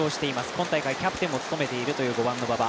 今大会キャプテンも務めているという５番の馬場。